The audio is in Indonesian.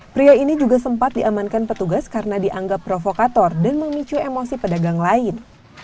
prio ini juga sempat diamankan petugas karena dianggap provokator dan memicu emosi pedagang lain